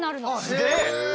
すげえ。